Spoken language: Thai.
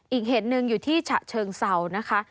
อีกเหตุหนึ่งอยู่ที่ฉะเชิงเศร้านะคะ